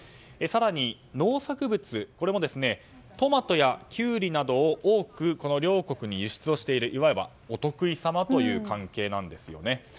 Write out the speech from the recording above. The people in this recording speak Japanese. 更に農作物、これもトマトやキュウリなどを多く両国に輸出をしているいわばお得意様という関係なんですよね。